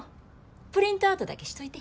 プリントアウトだけしといて。